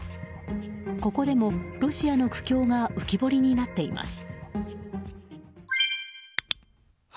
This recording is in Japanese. ここでもロシアの苦境が浮き彫りになっています。